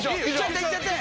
いっちゃって！